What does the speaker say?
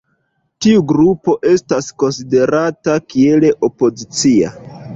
Tiu grupo estas konsiderata kiel opozicia.